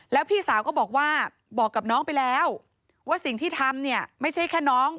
แล้วพี่สาวก็บอกว่าบอกกับน้องไปแล้วว่าสิ่งที่ทำเนี่ยไม่ใช่แค่น้อง